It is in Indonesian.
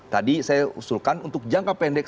tadi saya usulkan untuk jangka pendek